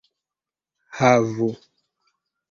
havu